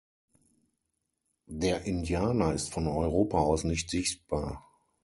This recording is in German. Der Indianer ist von Europa aus nicht sichtbar.